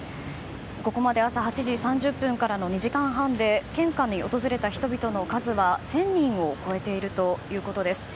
ここまで朝８時半からの２時間半で献花に訪れた人々の数は１０００人を超えているということです。